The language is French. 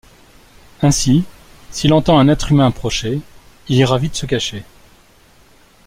Ainsi, s'il entend un être humain approcher, il ira vite se cacher.